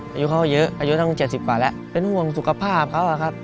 อายุเขาก็เยอะอายุตั้ง๗๐กว่าแล้วเป็นห่วงสุขภาพเขาอะครับ